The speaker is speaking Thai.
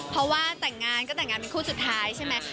เพราะว่าแต่งงานก็แต่งงานเป็นคู่สุดท้ายใช่ไหม